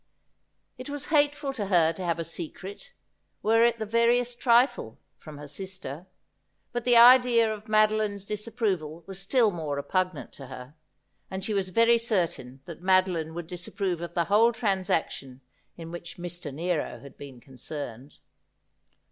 It was hate ful to her to have a secret, were it the veriest trifle, from her sister ; but the idea of Madoline's disapproval was still mere repugnant to her ; and she was very certain that Madeline would disapprove of the whole transaction in which Mr. Nero had been concerned.